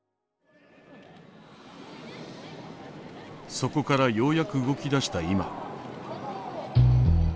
そこからようやく動き出した今。